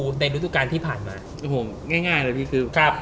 ฤทธิปรุการณ์ที่ผ่านมาเอ้ะหัวง่ายง่ายเลยพี่ครึก